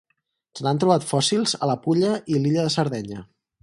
Se n'han trobat fòssils a la Pulla i l'illa de Sardenya.